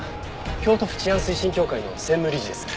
京都府治安推進協会の専務理事です。